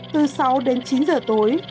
từ sáu đến chín giờ tối